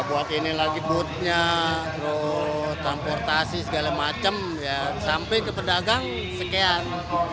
buat ini lagi bootnya transportasi segala macam sampai ke pedagang sekian enam belas